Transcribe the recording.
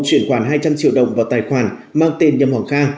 chuyển khoản hai trăm linh triệu đồng vào tài khoản mang tên nhâm ngọc kha